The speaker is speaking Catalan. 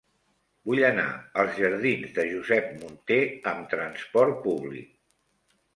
Vull anar als jardins de Josep Munté amb trasport públic.